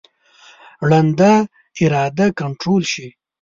ړنده اراده کنټرول شي.